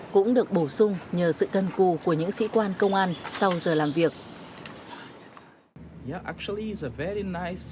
cũng được bổ sung nhờ sự cân cù của những sĩ quan công an sau giờ làm việc